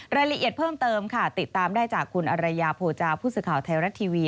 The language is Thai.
รายละเอียดเพิ่มเติมค่ะติดตามได้จากคุณอรยาโภจาผู้สื่อข่าวไทยรัฐทีวี